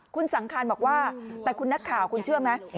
คุณสังคารบอกว่าแต่คุณนักข่าวคุณเชื่อไหม